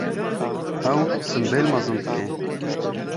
Ew simbêl mezin dike.